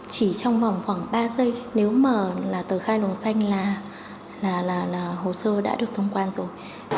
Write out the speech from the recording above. chỉ trong vòng khoảng ba giây nếu mà là tờ khai đồ xanh là hồ sơ đã được thông quan rồi